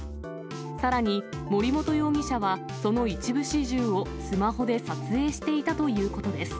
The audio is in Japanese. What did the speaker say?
さらに、森本容疑者はその一部始終をスマホで撮影していたということです。